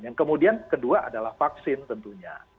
yang kemudian kedua adalah vaksin tentunya